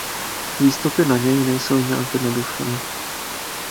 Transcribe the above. Výstupy na něj nejsou nijak jednoduché.